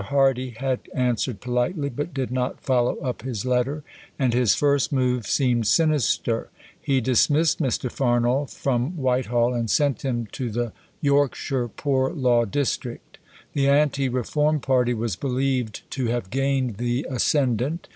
Hardy had answered politely, but did not follow up his letter, and his first move seemed sinister. He dismissed Mr. Farnall from Whitehall and sent him to the Yorkshire Poor Law District. The anti reform party was believed to have gained the ascendant.